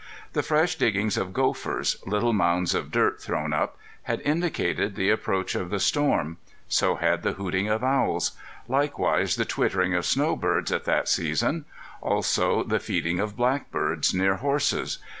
The fresh diggings of gophers little mounds of dirt thrown up had indicated the approach of the storm; so had the hooting of owls; likewise the twittering of snowbirds at that season; also the feeding of blackbirds near horses.